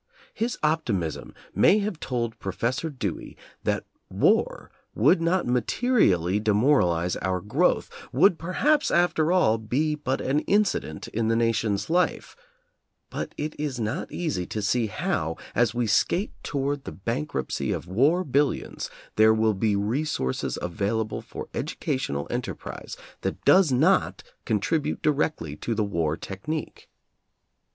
His optimism may have told Professor Dewey that war would not materially demoralize our growth — would, perhaps, after all, be but an incident in the nation's life — but it is not easy to see how, as we skate toward the bankruptcy of war billions, there will be resources available for educational enterprise that does not contribute di rectly to the war technique.